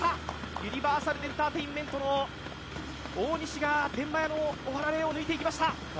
ユニバーサルエンターテインメントの大西が天満屋の小原怜を抜いていきました。